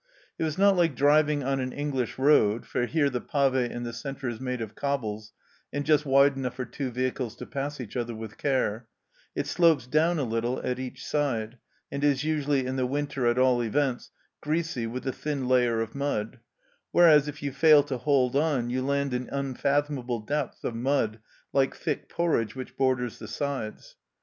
It was not like driving on an English road, for here the pave in the centre is made of cobbles, and just wide enough for two vehicles to pass each other with care ; it slopes down a little at each side, and is usually, in the winter at all events, greasy with a thin layer of mud, whereas, if you fail to hold on, you land in unfathomable depths of mud like thick porridge which borders the sides.